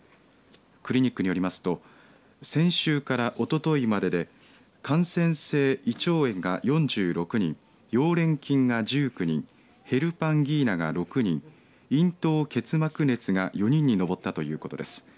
クリニックによりますと先週からおとといまでで感染性胃腸炎が４６人溶連菌が１９人ヘルパンギーナが６人咽頭結膜熱が４人に上ったということです。